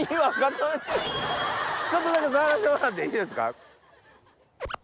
ちょっとだけ触らせてもらっていいですか？